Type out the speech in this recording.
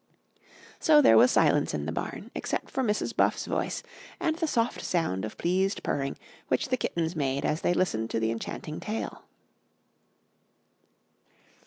So there was silence in the barn, except for Mrs. Buff's voice and the soft sound of pleased purring which the kittens made as they listened to the enchanting tale.